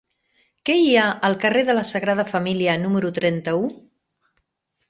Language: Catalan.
Què hi ha al carrer de la Sagrada Família número trenta-u?